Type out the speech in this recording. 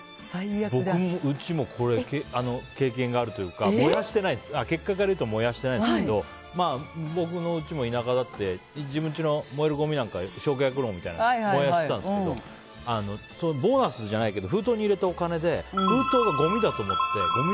僕のうちもこれ、経験があるというか結果から言うと燃やしてないんですけど僕のうちも田舎にあって自分ちのごみも焼却炉みたいなところで燃やしてたんですけどボーナスじゃないけど封筒に入れたお金で封筒がごみだと思って。